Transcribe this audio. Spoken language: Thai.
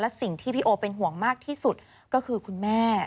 สิ่งที่พี่โอเป็นห่วงมากที่สุดก็คือคุณแม่